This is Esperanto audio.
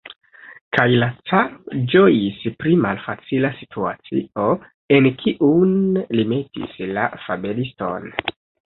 Kaj la caro ĝojis pri malfacila situacio, en kiun li metis la fabeliston.